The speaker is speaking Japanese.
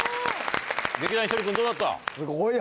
劇団ひとり君どうだった？